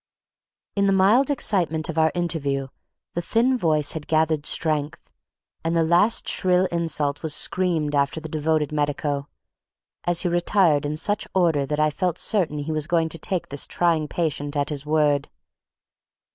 In the mild excitement of our interview the thin voice had gathered strength, and the last shrill insult was screamed after the devoted medico, as he retired in such order that I felt certain he was going to take this trying patient at his word.